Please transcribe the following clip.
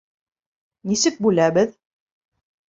Нисек бүләбеҙ?